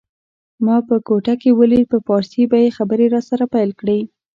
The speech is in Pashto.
ما به په کوټه کي ولید په پارسي به یې خبري راسره پیل کړې